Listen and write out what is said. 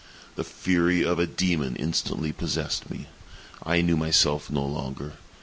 The fury of a demon instantly possessed me. I knew myself no longer.